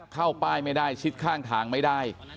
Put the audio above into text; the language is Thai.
เข้าป้ายไม่ได้ชิดข้างทางไม่ได้